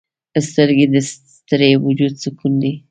سترګې د ستړي وجود سکون دي